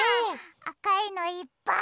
あかいのいっぱい！